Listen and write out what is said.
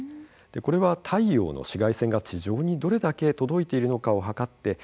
これは太陽の紫外線が地上にどれだけ届いているのかを測ってそして